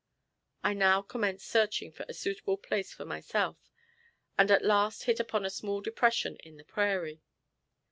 I now commenced searching for a suitable place for myself, and at last hit upon a small depression in the prairie.